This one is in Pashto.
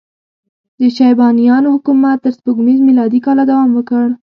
د شیبانیانو حکومت تر سپوږمیز میلادي کاله دوام وکړ.